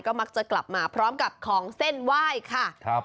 มักจะกลับมาพร้อมกับของเส้นไหว้ค่ะครับ